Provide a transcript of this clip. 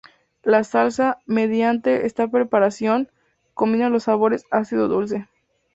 La salsa, mediante esta preparación, combina los sabores ácido-dulce.